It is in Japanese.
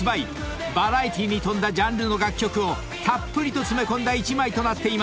［バラエティーに富んだジャンルの楽曲をたっぷりと詰め込んだ１枚となっています。